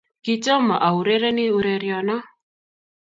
kitomo aurerenik ureriono .